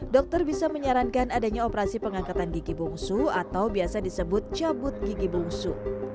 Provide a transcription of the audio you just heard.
dokter bisa menyarankan adanya operasi pengangkatan gigi bungsu atau biasa disebut cabut gigi bungsu